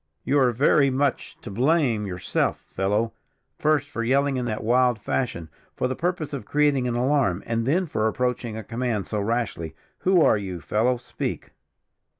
"You are very much to blame yourself, fellow; first, for yelling in that wild fashion, for the purpose of creating an alarm, and then for approaching a command so rashly. Who are you, fellow, speak?"